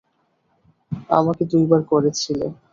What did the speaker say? আমাকে দুইবার করেছিলে।